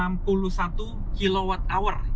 yang bisa mengantarkan kita menjelajah sejarah